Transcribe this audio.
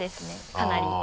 かなり。